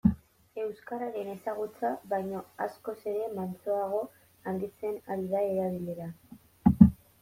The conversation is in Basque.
Euskararen ezagutza baino askoz ere mantsoago handitzen ari da erabilera.